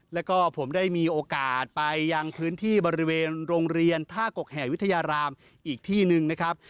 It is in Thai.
แล้วก็ผมได้มีโอกาสไปยังพื้นที่บริเวณโรงเรียนท่ากกแห่วิทยารามอีกที่หนึ่งนะครับ